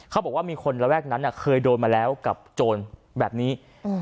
เขาบอกว่ามีคนระแวกนั้นเคยโดนมาแล้วกับโจรแบบนี้